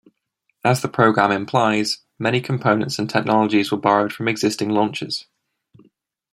As the program implies, many components and technologies were borrowed from existing launchers.